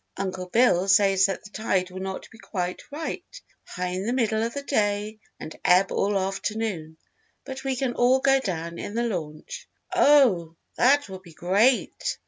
Uncle Bill says that the tide will not be quite right high in the middle of the day and ebb all afternoon, but we can all go down in the launch." "Oh, that will be great!"